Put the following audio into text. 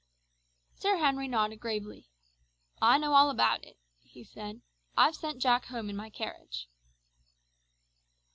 Sir Henry nodded gravely. "I know all about it," he said; "I've sent Jack home in my carriage."